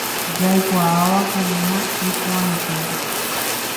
Jaikuaava kuña iporãitéva.